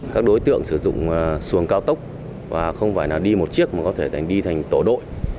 các đối tượng sử dụng xuồng cao tốc và không phải đi một chiếc mà có thể đi thành tổ đội